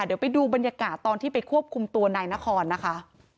เดี๋ยวไปดูบรรยากาศตอนที่ไปควบคุมตัวนายนครนะคะ